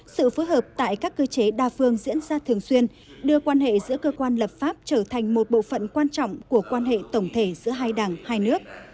sự phối hợp tại các cơ chế đa phương diễn ra thường xuyên đưa quan hệ giữa cơ quan lập pháp trở thành một bộ phận quan trọng của quan hệ tổng thể giữa hai đảng hai nước